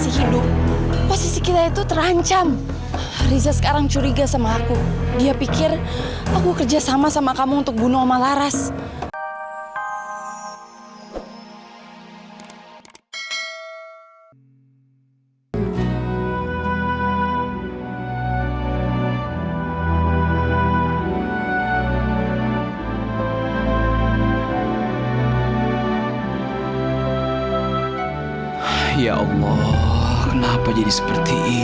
apa betul kalau dokter hanya ngejadiin aku sebagai pengganti tulangannya dokter